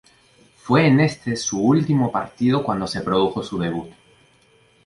Fue en este último partido cuando se produjo su debut.